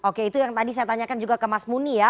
oke itu yang tadi saya tanyakan juga ke mas muni ya